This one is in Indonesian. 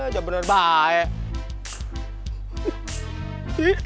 ya bener baik